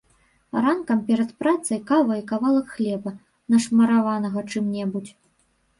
Ранкам перад працай кава і кавалак хлеба, нашмараванага чым-небудзь.